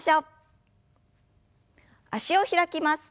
脚を開きます。